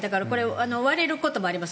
割れることもあります。